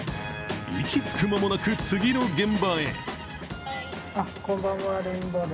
息つく間もなく次の現場へ。